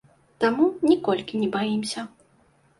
Таму, ніколькі не баімся.